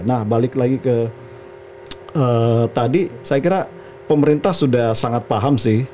nah balik lagi ke tadi saya kira pemerintah sudah sangat paham sih